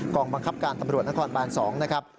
องบังคับการตำรวจนครบาน๒นะครับ